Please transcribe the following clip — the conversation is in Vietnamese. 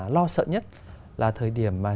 lo sợ nhất là thời điểm mà